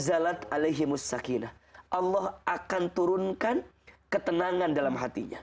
allah akan turunkan ketenangan dalam hatinya